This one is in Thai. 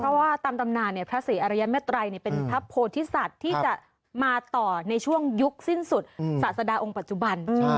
เพราะว่าตามตำนานพระศรีอรยเมตรัยเป็นพระโพธิสัตว์ที่จะมาต่อในช่วงยุคสิ้นสุดศาสดาองค์ปัจจุบัน